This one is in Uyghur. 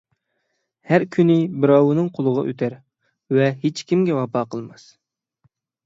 ھەر كۈنى بىراۋنىڭ قولىغا ئۆتەر ۋە ھېچكىمگە ۋاپا قىلماس.